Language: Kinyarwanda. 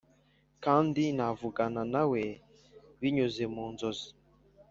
m kandi navugana na we binyuze mu nzozi